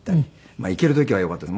行ける時はよかったんです。